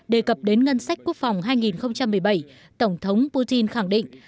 đề cập đến ngân sách quốc phòng hai nghìn một mươi bảy tổng thống putin khẳng định